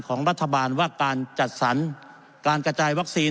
ของรัฐบาลว่าการจัดสรรการกระจายวัคซีน